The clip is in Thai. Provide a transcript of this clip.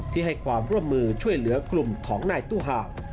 ที่ให้ความร่วมมือช่วยเหลือกลุ่มของนายตู้ห่าว